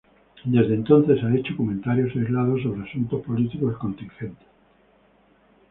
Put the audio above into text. Ha hecho desde entonces comentarios aislados sobre asuntos políticos contingentes.